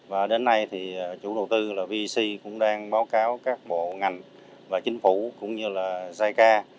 và đến nay thì chủ đầu tư là vec cũng đang báo cáo các bộ ngành và chính phủ cũng như là jica